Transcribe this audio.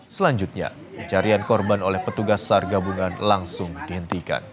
selanjutnya pencarian korban oleh petugas sar gabungan langsung dihentikan